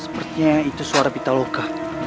sepertinya itu suara pitaloka